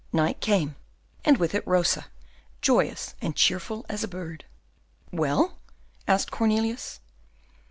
Night came, and with it Rosa, joyous and cheerful as a bird. "Well?" asked Cornelius.